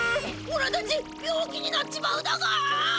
おらたち病気になっちまうだか！